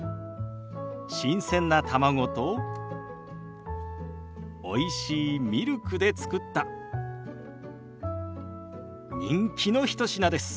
新鮮な卵とおいしいミルクで作った人気の一品です。